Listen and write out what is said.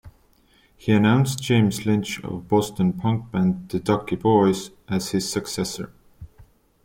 He announced James Lynch of Boston punk band The Ducky Boys as his successor.